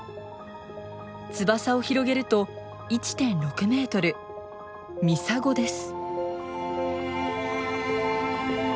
翼を広げると１．６メートルミサゴです。